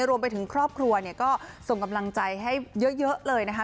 รวมไปถึงครอบครัวเนี่ยก็ส่งกำลังใจให้เยอะเลยนะคะ